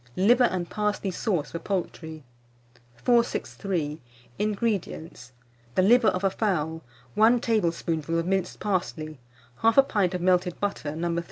LIVER AND PARSLEY SAUCE FOR POULTRY. 463. INGREDIENTS. The liver of a fowl, one tablespoonful of minced parsley, 1/2 pint of melted butter, No.